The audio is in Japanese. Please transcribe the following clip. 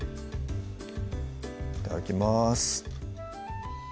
いただきます